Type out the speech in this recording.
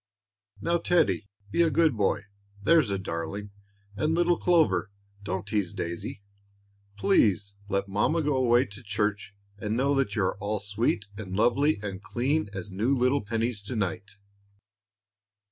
"Now, Teddie, be a good boy, there's a darling, and, little Clover, don't tease Daisy. Please let mamma go away to church and know that you are all sweet and lovely and clean as new little pennies to night."